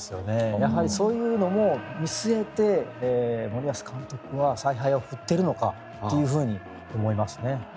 やはりそういうのも見据えて森保監督は采配を振っているのかと思いますね。